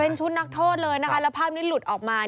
ชุดนักโทษเลยนะคะแล้วภาพนี้หลุดออกมา